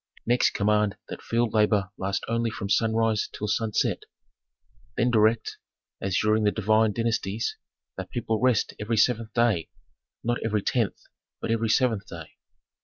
"Next command that field labor last only from sunrise till sunset. Then direct, as during the divine dynasties, that people rest every seventh day; not every tenth, but every seventh day.